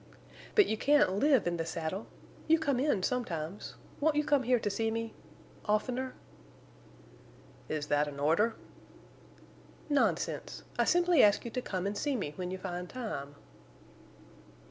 "But you can't live in the saddle. You come in sometimes. Won't you come here to see me—oftener?" "Is that an order?" "Nonsense! I simply ask you to come to see me when you find time."